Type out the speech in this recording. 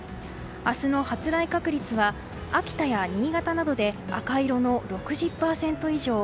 明日の発雷確率は秋田や新潟などで赤色の６０％以上。